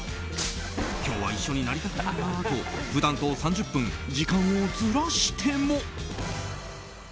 今日は一緒になりたくないなと普段と３０分時間をずらしても。